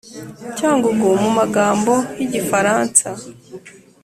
Cyangugu Mu magambo y Igifaransa